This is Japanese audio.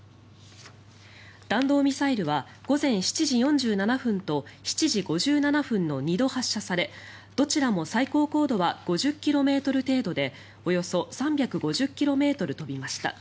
弾道ミサイルは午前７時４７分と７時５７分の２度発射されどちらも最高高度は５０ｋｍ程度でおよそ３５０ｋｍ飛びました。